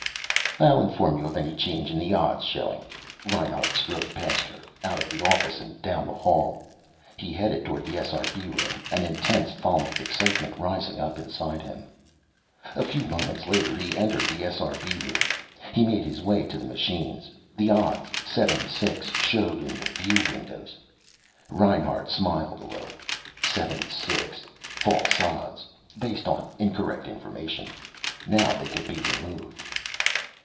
"I'll inform you of any change in the odds showing." Reinhart strode past her, out of the office and down the hall. He headed toward the SRB room, an intense thalamic excitement rising up inside him. A few moments later he entered the SRB room. He made his way to the machines. The odds 7 6 showed in the view windows. Reinhart smiled a little. 7 6. False odds, based on incorrect information. Now they could be removed.